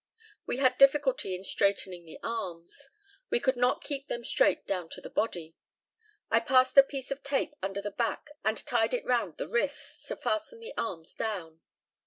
We had difficulty in straightening the arms. We could not keep them straight down to the body. I passed a piece of tape under the back and tied it round the wrists, to fasten the arms down.